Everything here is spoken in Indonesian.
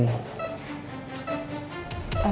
handphone aku mana mbak